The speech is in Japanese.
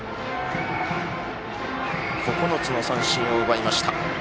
９つの三振を奪いました。